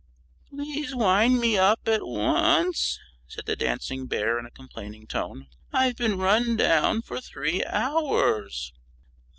"Please wind me up at once," said the dancing bear, in a complaining tone; "I've been run down for three hours."